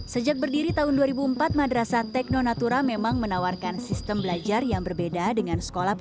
sejak berdiri tahun dua ribu empat madrasah tekno natura memang menawarkan sistem belajar yang berbeda dengan sekolah